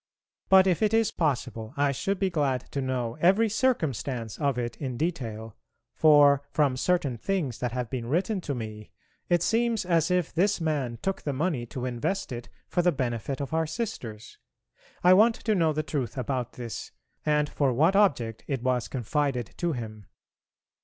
But if it is possible I should be glad to know every circumstance of it in detail, for from certain things that have been written to me, it seems as if this man took the money to invest it for the benefit of our Sisters. I want to know the truth about this, and for what object it was confided to him.